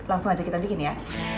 langsung aja kita bikin ya